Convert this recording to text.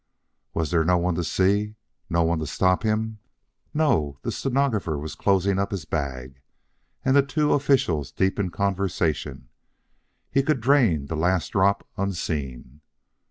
Was there no one to see? No one to stop him? No, the stenographer was closing up his bag; and the two officials deep in conversation. He could drain the last drop unseen.